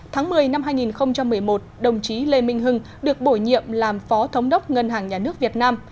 tháng một mươi năm hai nghìn một mươi một đồng chí lê minh hưng được bổ nhiệm làm phó thống đốc ngân hàng nhà nước việt nam